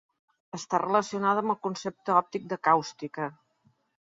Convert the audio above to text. Està relacionada amb el concepte òptic de càustica.